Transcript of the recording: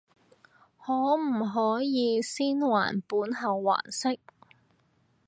可唔可以先還本後還息？